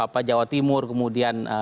pak jawa timur kemudian